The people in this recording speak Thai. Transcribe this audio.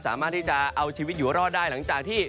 สามารถที่จะเอาชีวิตอยู่รอดได้